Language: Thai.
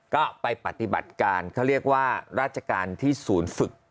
ก็ไปปฏิบัติการเขาเรียกว่าราชการที่ศูนย์ฝึก